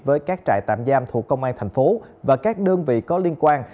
với các trại tạm giam thuộc công an tp hcm và các đơn vị có liên quan